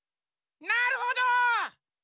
なるほど！